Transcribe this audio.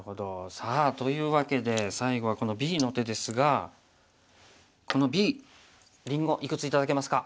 さあというわけで最後はこのＢの手ですがこのＢりんごいくつ頂けますか？